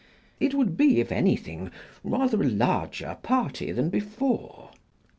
It would be, if any thing, rather a larger party than before.